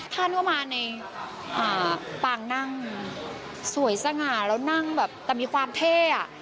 ท่านก็มาในปางนั่งสวยสง่าแล้วนั่งแบบแต่มีความเท่อ่ะ